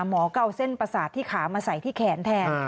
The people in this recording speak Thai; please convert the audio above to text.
หมอก็เอาเส้นประสาทที่ขามาใส่ที่แขนแทน